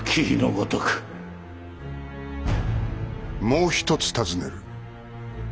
もう一つ尋ねる。